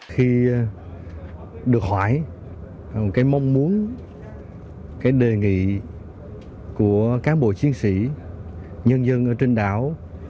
khi được hỏi cái mong muốn cái đề nghị của cán bộ chiến sĩ nhân dân trên đảo